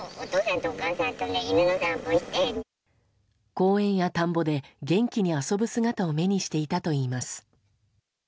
公園や田んぼで元気に遊ぶ姿を目にしていたといいます。